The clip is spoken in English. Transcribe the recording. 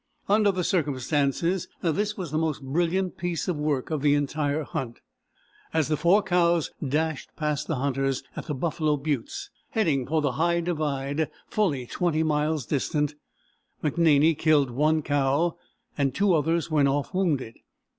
Under the circumstances, this was the most brilliant piece of work of the entire hunt. As the four cows dashed past the hunters at the Buffalo Buttes, heading for the High Divide, fully 20 miles distant, McNaney killed one cow, and two others went off wounded.